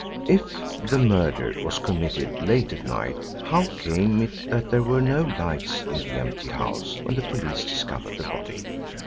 If the murder was committed late at night how came it that there were no lights in the empty house when the police discovered the body?